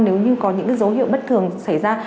nếu như có những dấu hiệu bất thường xảy ra